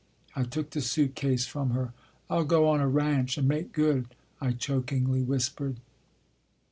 I took the suitcase from her. " I ll go on a ranch and make good," I chokingly whispered.